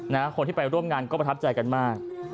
แล้วคุณให้ร่วมงานก็ประทับใจกันมาก